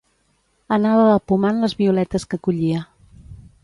Anava apomant les violetes que collia.